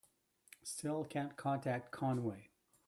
Still can't contact Conway.